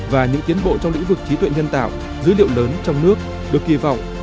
và những tiến bộ trong lĩnh vực trí tuệ nhân tạo dữ liệu lớn trong nước được kỳ vọng